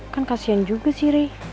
kan kasian juga sih re